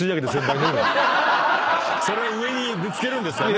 それを上にぶつけるんですかね。